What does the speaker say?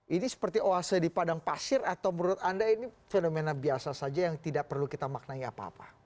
ini seperti oase di padang pasir atau menurut anda ini fenomena biasa saja yang tidak perlu kita maknai apa apa